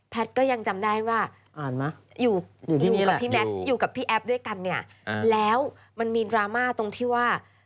ก็ยังจำได้ว่าอยู่กับพี่แมทอยู่กับพี่แอฟด้วยกันเนี่ยแล้วมันมีดราม่าตรงที่ว่า